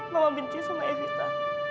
mama benci sama evita